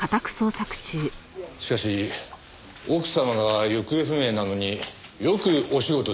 しかし奥様が行方不明なのによくお仕事できますね。